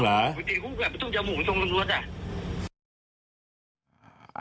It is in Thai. มันต้องจะออกจากโรงพยาบาลไปส่งตรงรถอ่ะ